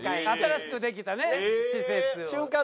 新しくできたね施設を。